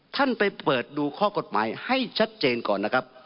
ท่านไปเปิดดูข้อกฎหมายให้ชัดเจนก่อนนะครับ